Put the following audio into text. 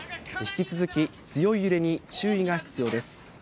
引き続き、強い揺れに注意が必要です。